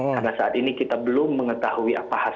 karena saat ini kita belum mengetahui apa hasilnya